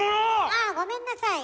ああごめんなさい。